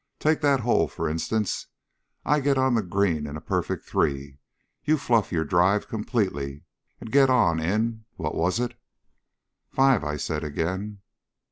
Take that hole, for instance. I get on the green in a perfect three; you fluff your drive completely and get on in what was it?" "Five," I said again.